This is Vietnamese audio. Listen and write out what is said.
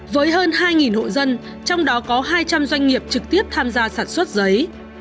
với hơn hai hộ dân trong đó có hai trăm linh doanh nghiệp trực tiếp tham gia sản xuất giấy